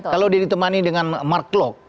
kalau dia ditemani dengan mark klok